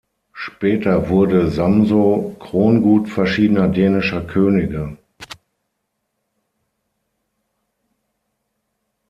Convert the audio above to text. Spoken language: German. Später wurde Samsø Krongut verschiedener dänischer Könige.